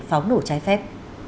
pháo nổ trái phép